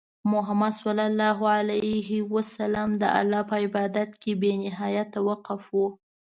محمد صلى الله عليه وسلم د الله په عبادت کې بې نهایت وقف وو.